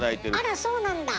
あらそうなんだ！